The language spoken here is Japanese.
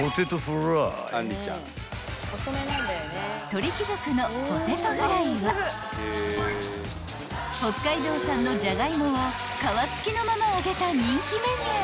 ［鳥貴族のポテトフライは北海道産のジャガイモを皮付きのまま揚げた人気メニュー］